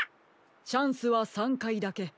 「チャンスは３かいだけ」。